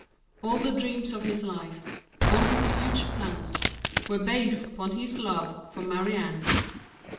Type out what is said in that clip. All the dreams of his life, all his future plans, were based upon his love for Marie Anne.